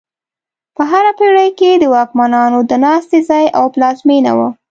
په هره پېړۍ کې د واکمنانو د ناستې ځای او پلازمینه وه.